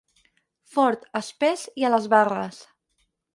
Fort, espès i a les barres.